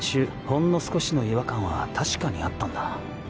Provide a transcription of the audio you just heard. ほんの少しの違和感は確かにあったんだ。